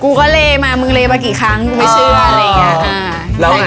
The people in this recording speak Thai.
เลมามึงเลมากี่ครั้งกูไม่เชื่ออะไรอย่างนี้